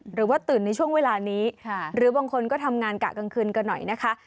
หรือว่าตื่นในช่วงเวลานี้หรือบางคนก็ทำงานกะกลางคืนกันหน่อยนะคะ